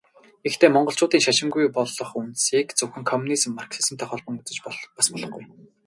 Гэхдээ Дээд Монголчуудын шашингүй болох үндсийг зөвхөн коммунизм, марксизмтай холбон үзэж бас болохгүй юм.